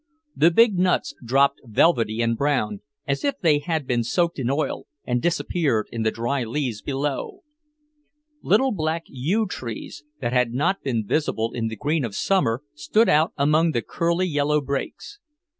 The big nuts dropped velvety and brown, as if they had been soaked in oil, and disappeared in the dry leaves below. Little black yew trees, that had not been visible in the green of summer, stood out among the curly yellow brakes.